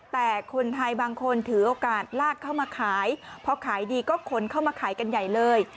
แต่คนไทยบางคนถือโอกาสลากเข้ามาขายพอขายดีก็คนเข้ามาขายกันใหญ่เลย